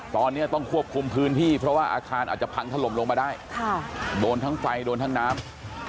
ตอนนี้ต้องควบคุมพื้นที่เพราะว่าอาคารอาจจะพังถล่มลงมาได้โดนทั้งไฟโดนทั้งน้ำ